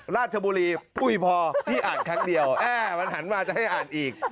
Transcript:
ราชบุรีปุ้ยพอพี่อ่านครั้งเดียวมันหันมาจะให้อ่านอีก